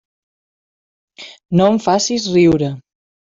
No em facis riure.